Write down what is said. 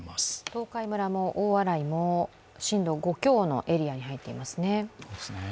東海村も大洗も震度５強のエリアに入っていますね。